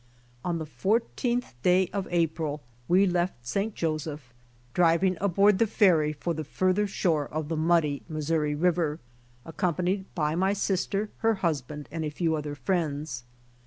On the fourteenth day of April we left St. Joseph, driving aboard the ferry for the farther shore of the muddy Missouri river, accompanied by my sis ter, her husband and a few other friends.